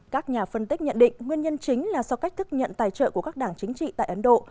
các nhà phân tích nhận định nguyên nhân chính là do cách thức nhận tài trợ của các đảng chính trị tại ấn độ